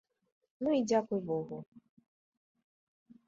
Ну і дзякуй богу!